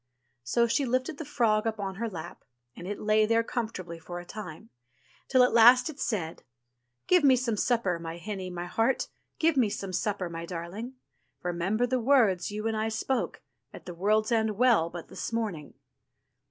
So she lifted the frog up on to her lap, and it lay there comfortably for a time ; till at last it said : "Give me some supper, my hinny, my heart, Give me some supper, my darling; Remember the words you and I spoke. At the World's End Well but this morning."